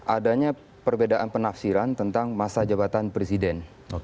adanya perbedaan penafsiran tentang masa jabatan presiden